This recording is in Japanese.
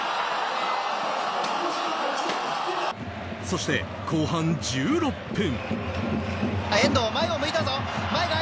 そして後半１６分。